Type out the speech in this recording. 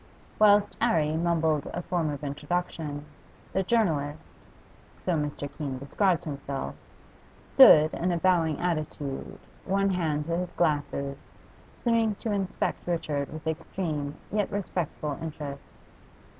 Whilst 'Arry mumbled a form of introduction, the journalist so Mr. Keene described himself stood in a bowing attitude, one hand to his glasses, seeming to inspect Richard with extreme yet respectful interest.